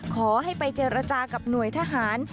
ขอให้ไปเจรจากับหน่วยทหาร